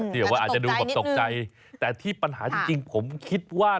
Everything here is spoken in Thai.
เดี๋ยวว่าอาจจะดูแบบตกใจแต่ที่ปัญหาจริงผมคิดว่า